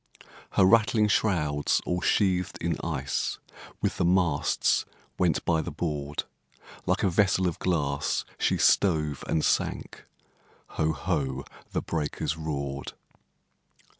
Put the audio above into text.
Her rattling shrouds, all sheathed in ice, With the masts went by the board; Like a vessel of glass, she stove and sank, Ho! ho! the breakers roared!